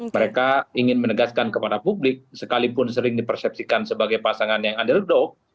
mereka ingin menegaskan kepada publik sekalipun sering dipersepsikan sebagai pasangan yang underdog